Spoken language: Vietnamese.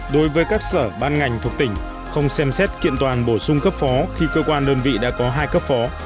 đối với các sở ban ngành thuộc tỉnh không xem xét kiện toàn bổ sung cấp phó khi cơ quan đơn vị đã có hai cấp phó